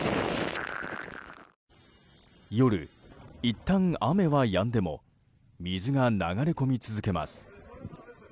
夜、いったん雨はやんでも水が流れ込み続けます。